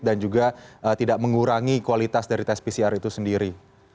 dan juga tidak mengurangi kualitas dari tsp crs itu sendiri